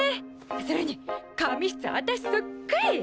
それに髪質私そっくり！